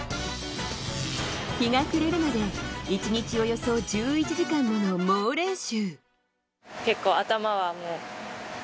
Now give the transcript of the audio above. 日が暮れるまで１日およそ１１時間の猛練習。